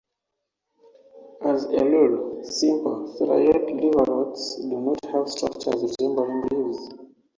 As a rule, simple thalloid liverworts do not have structures resembling leaves.